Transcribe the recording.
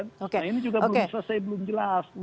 nah ini juga belum selesai belum jelas